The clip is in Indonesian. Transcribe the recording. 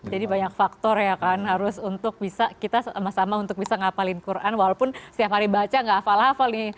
banyak faktor ya kan harus untuk bisa kita sama sama untuk bisa ngapalin quran walaupun setiap hari baca gak hafal hafal nih